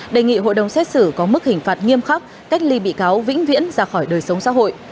đề nghị hội đồng xét xử có mức hình phạt nghiêm khắc cách ly bị cáo vĩnh viễn ra khỏi đời sống xã hội